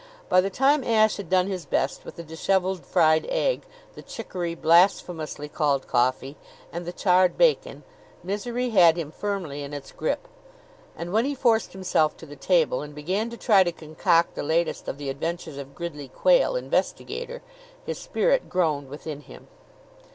By the time Ashe had done his best with the disheveled fried egg, the chicory blasphemously called coffee, and the charred bacon, misery had him firmly in its grip. And when he forced himself to the table, and began to try to concoct the latest of the adventures of Gridley Quayle, Investigator, his spirit groaned within him.